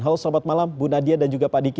halo selamat malam bu nadia dan juga pak diki